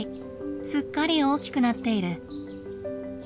すっかり大きくなっている。